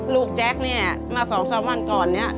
ลูกแจ๊คเนี่ยมา๒สัปดาห์วันก่อนเนี่ย